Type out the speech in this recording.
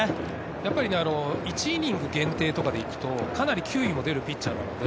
やっぱり１イニング限定とかで行くと、かなり球威も出るピッチャーなので、